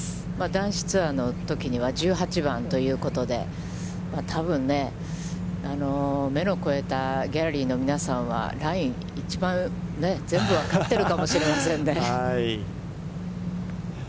男子ツアーのときには、１８番ということで、多分目の肥えたギャラリーの皆さんは、ライン、一番全部分かっているかもしれませんね。